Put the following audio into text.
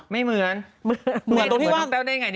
เหมือนตรงที่ว่าง